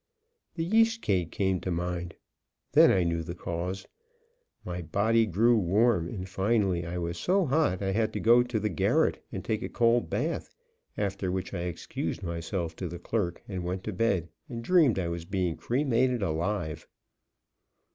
The yeast cake came to mind; then I knew the cause. My body grew warm, and finally I was so hot that I had to go to the garret and take a cold bath; after which I excused myself to the clerk, and went to bed, and dreamed I was being cremated alive.